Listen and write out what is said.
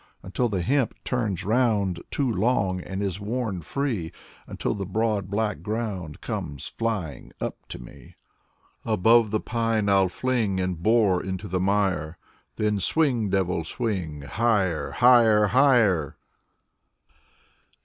Until the hemp turns round Too long, and is worn free. Until the broad black ground Comes flying up to me. Above the pine Fll fling And bore into the mire. Then swing, devil, swing — Higher, higher, higher!